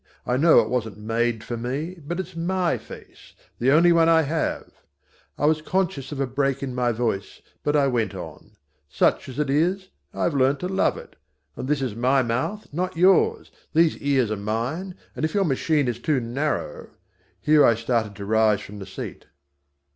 I know it wasn't made for me, but it's my face, the only one I have " I was conscious of a break in my voice but I went on "such as it is, I've learned to love it. And this is my mouth, not yours. These ears are mine, and if your machine is too narrow " Here I started to rise from the seat.